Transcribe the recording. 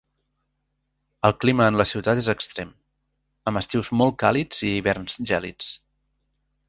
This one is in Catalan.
El clima en la ciutat és extrem, amb estius molt càlids i hiverns gèlids.